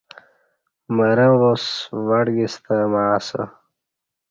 مرں واس وڑگی ستہ مع اسہ